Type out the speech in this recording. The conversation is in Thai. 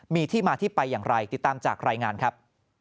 มีที่มาที่ไปอย่างไรติดตามจากรายงานครับ